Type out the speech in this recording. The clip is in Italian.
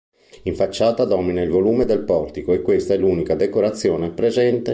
In facciata domina il volume del portico e questa è l'unica decorazione presente.